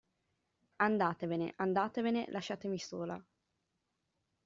Andatevene, andatevene, lasciatemi sola.